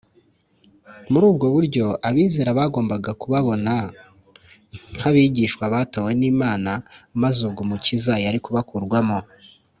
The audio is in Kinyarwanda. muri ubwo buryo, abizera bagombaga kubabona nk’abigisha batowe n’imana, maze ubwo umukiza yari kubakurwamo